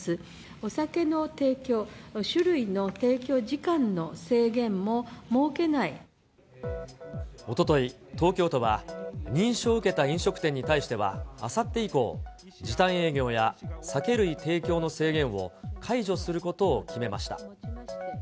お酒の提供、おととい、東京都は認証を受けた飲食店に対しては、あさって以降、時短営業や酒類提供の制限を解除することを決めました。